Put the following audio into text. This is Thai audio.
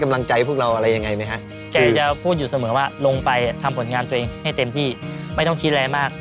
ไม่ต้องคิดอะไรมาก